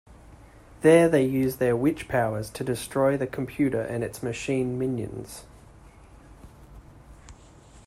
There they use their witch powers to destroy the computer and its machine minions.